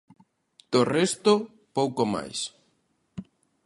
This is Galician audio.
Do resto, pouco máis.